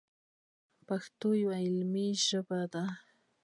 پښتو یوه علمي ژبه ده.